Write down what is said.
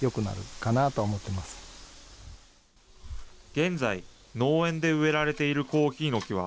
現在、農園で植えられているコーヒーの木は、